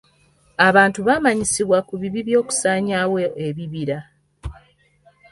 Abantu baamanyisibwa ku bibi by'okusaanyaawo ebibira.